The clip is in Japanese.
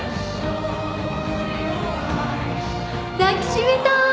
抱き締めたい。